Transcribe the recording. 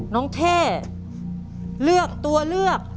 เท่เลือกตัวเลือก